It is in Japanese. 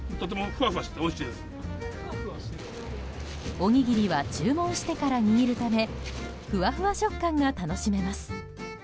おにぎりは注文してから握るためふわふわ食感が楽しめます。